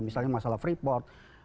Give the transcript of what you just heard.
misalnya masalah freeport